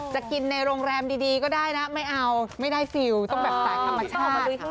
จะกินในโรงแรมดีก็ได้นะไม่เอาไม่ได้ฟิลต้องแบบสายธรรมชาติมาเลยค่ะ